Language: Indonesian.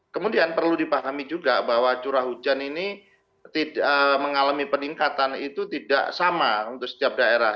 kemudian perlu dipahami juga bahwa curah hujan ini mengalami peningkatan itu tidak sama untuk setiap daerah